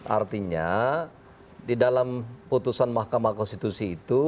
artinya di dalam putusan mahkamah konstitusi itu